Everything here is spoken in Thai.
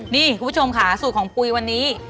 นี่คุณผู้ชมค่ะสูตรของปุ๋ยวันนี้